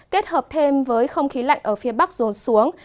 kết hợp thêm với không khí lạnh ở phía bắc rồn xuống